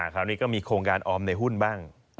คราวนี้ก็มีโครงการออมในหุ้นบ้าง